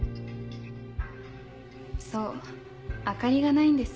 そう明かりがないんです。